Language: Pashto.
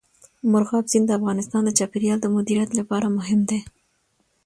مورغاب سیند د افغانستان د چاپیریال د مدیریت لپاره مهم دی.